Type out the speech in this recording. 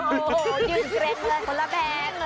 โอ้โฮยืนเกร็ดเลยคนละแบงค์เลย